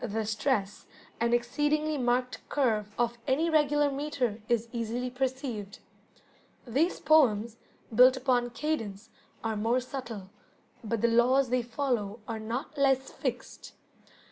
The stress, and exceedingly marked curve, of any regular metre is easily perceived. These poems, built upon cadence, are more subtle, but the laws they follow are not less fixed.